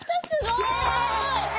すごい！